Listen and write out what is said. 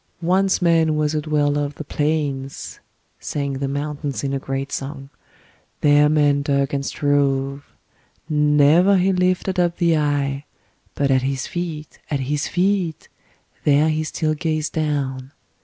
'Once man was a dweller of the plains,' sang the mountains in a great song; 'there man dug and strove. Never he lifted up the eye, but at his feet, at his feet, there he still gazed down.